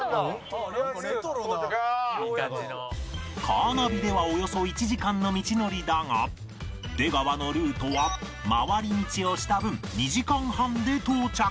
カーナビではおよそ１時間の道のりだが出川のルートは回り道をした分２時間半で到着